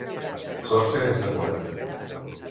Jorge és de Mura